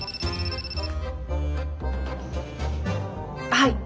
はい。